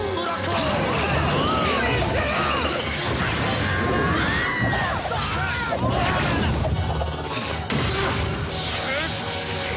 うっ！